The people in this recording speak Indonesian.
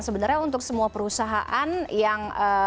sebenarnya untuk semua perusahaan